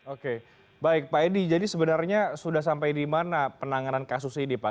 oke pak edi jadi sebenarnya sudah sampai dimana penanganan kasus ini pak